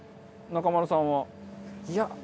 中丸さんは？いや。